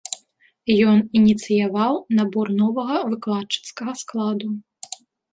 Ён ініцыяваў набор новага выкладчыцкага складу.